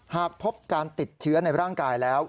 หากพบการติดเชื้อในร่างกายแล้ว